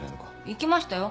行きましたよ。